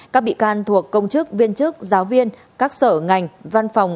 các bị can thuộc công chức viên chức giáo viên các sở ngành văn phòng